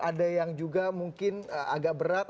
ada yang juga mungkin agak berat